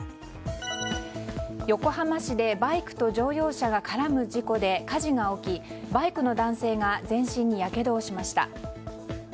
横浜市でバイクと乗用車が絡む事故で火事が起き、バイクの男性が全身にやけどをしました。